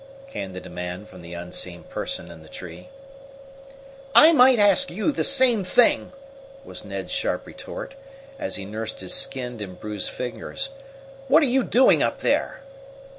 came the demand from the unseen person in the tree. "I might ask you the same thing," was Ned's sharp retort, as he nursed his skinned and bruised fingers. "What are you doing up there?"